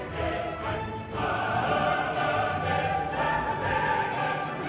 สวัสดีตา